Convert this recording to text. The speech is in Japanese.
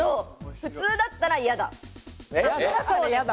普通だったら嫌だ。